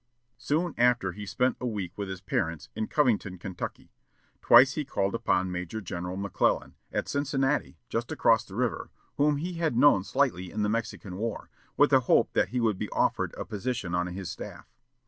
Soon after he spent a week with his parents, in Covington, Kentucky. Twice he called upon Major General McClellan, at Cincinnati, just across the river, whom he had known slightly in the Mexican War, with the hope that he would be offered a position on his staff.